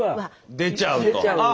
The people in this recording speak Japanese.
出ちゃうと。